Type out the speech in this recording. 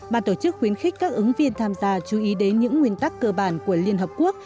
ban tổ chức khuyến khích các ứng viên tham gia chú ý đến những nguyên tắc cơ bản của liên hợp quốc